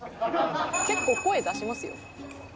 結構声出しますよ」